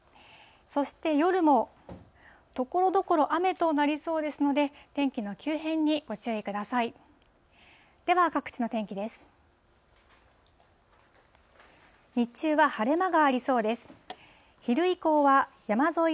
そして夜も、ところどころ雨となりそうですので、天気の急変にご注意ください。